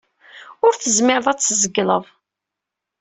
Ur tezmireḍ ad t-tzegleḍ.